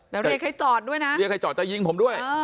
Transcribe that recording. แล้วเรียกการให้จอดด้วยนะ